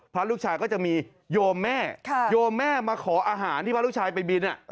พระลูกชายก็จะมีโยมแม่โยมแม่มาขออาหารที่พระลูกชายไปบิน